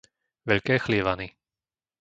Veľké Chlievany